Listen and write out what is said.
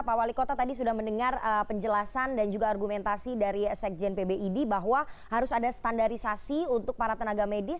pak wali kota tadi sudah mendengar penjelasan dan juga argumentasi dari sekjen pbid bahwa harus ada standarisasi untuk para tenaga medis